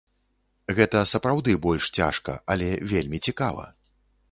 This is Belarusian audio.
Гэта сапраўды больш цяжка, але вельмі цікава.